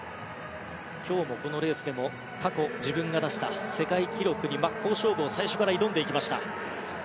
今日の、このレースでも過去、自分が出した世界記録に真っ向勝負を最初から挑んでいきました。